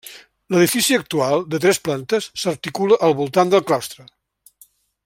L'edifici actual, de tres plantes, s'articula al voltant del claustre.